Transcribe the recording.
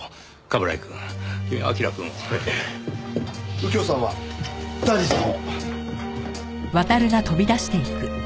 右京さんはダディさんを。